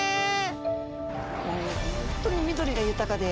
本当に緑が豊かで。